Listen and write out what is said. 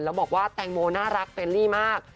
แล้วบอกว่าแตงโมน่ารักเฟรลี่มาก